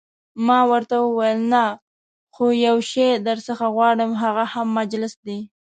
ما ورته وویل: نه، خو یو شی درڅخه غواړم، هغه هم مجلس دی.